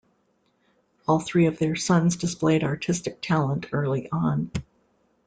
All three of their sons displayed artistic talent early on.